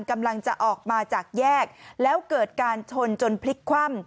กำลังจะออกมาจากแยกแล้วเกิดการชนจนพลิกคว่ำ